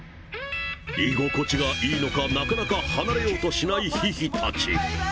居心地がいいのか、なかなか離れようとしないヒヒたち。